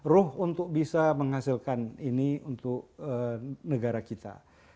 ruh untuk bisa menghasilkan ini untuk negara kita